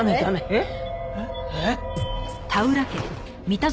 えっ？